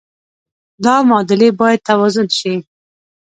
دا معادلې باید توازن شي.